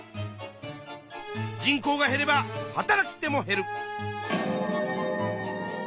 人口が減れば働き手も減る。